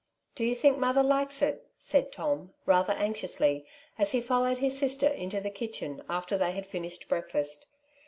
"Do you think mother likes it?" said Tom, rather anxiously, as he followed his sister into the kitchen after they had finished breakfast.